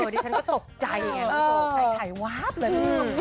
ดิฉันก็ตกใจไงตกใจถ่ายวาบเลย